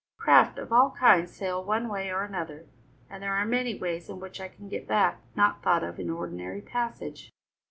Craft of all kinds sail one way or another, and there are many ways in which I can get back not thought of in ordinary passage.